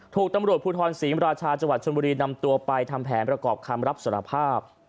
ถูกตำรวจภูทรศรีมราชาจังหวัดชนบุรีนำตัวไปทำแผนประกอบคำรับสารภาพ